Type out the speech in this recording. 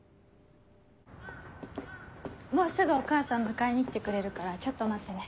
もうすぐお母さん迎えに来てくれるからちょっと待ってね。